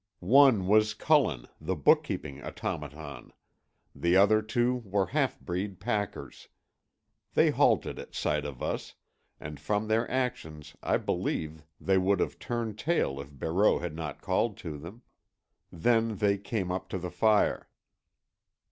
One was Cullen, the bookkeeping automaton; the other two were half breed packers. They halted at sight of us, and from their actions I believe they would have turned tail if Barreau had not called to them. Then they came up to the fire.